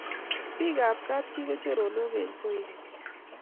bik ab kab chi ko choronok eng koekeng'